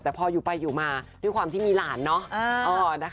แต่พออยู่ไปอยู่มาด้วยความที่มีหลานเนอะ